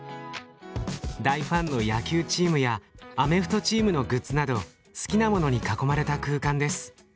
大ファンの野球チームやアメフトチームのグッズなど好きなものに囲まれた空間です。